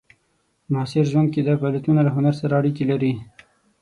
په معاصر ژوند کې دا فعالیتونه له هنر سره اړیکې لري.